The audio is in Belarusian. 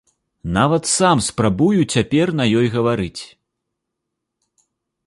Нават сам спрабую цяпер на ёй гаварыць!